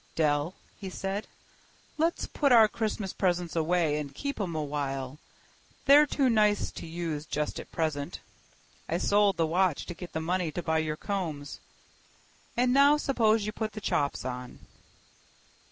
"Dell," said he, "let's put our Christmas presents away and keep 'em a while. They're too nice to use just at present. I sold the watch to get the money to buy your combs. And now suppose you put the chops on."